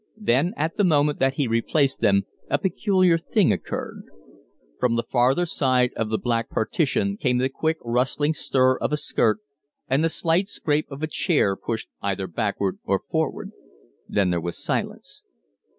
Then, at the moment that he replaced them, a peculiar thing occurred. From the farther side of the dark partition came the quick, rustling stir of a skirt, and the slight scrape of a chair pushed either backward or forward. Then there was silence.